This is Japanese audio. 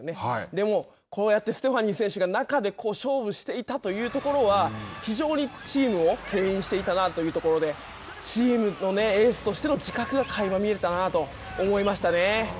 でも、こうやってステファニー選手が中で勝負していたというところは非常にチームをけん引していたなというところでチームのエースとしての自覚がかいま見えたなと思いましたね。